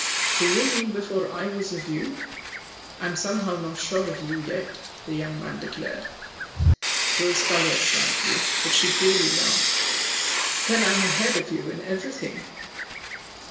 " Do you mean before I was of you ? I'm somehow not sure of you yet !" the young man declared. Rose coloured slightly ; but she gaily laughed. " Then I'm ahead of you in everything